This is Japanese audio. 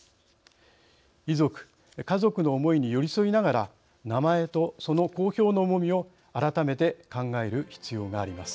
遺族・家族の思いに寄り添いながら名前とその公表の重みを改めて考える必要があります。